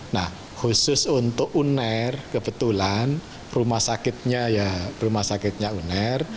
nah khusus untuk uner kebetulan rumah sakitnya ya rumah sakitnya uner